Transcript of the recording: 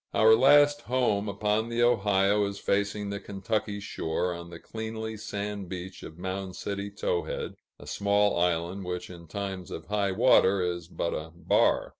Our last home upon the Ohio is facing the Kentucky shore, on the cleanly sand beach of Mound City Towhead, a small island which in times of high water is but a bar.